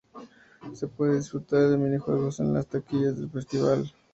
Se puede disfrutar de mini-juegos en las taquillas del festival.